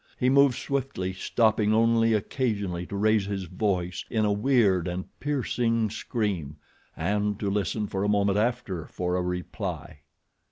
He moved swiftly, stopping only occasionally to raise his voice in a weird and piercing scream, and to listen for a moment after for a reply.